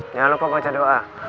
jangan lupa baca doa